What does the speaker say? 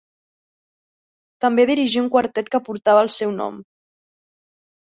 També dirigí un quartet que portava el seu nom.